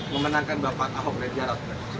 memenangkan bapak ahok dan jarot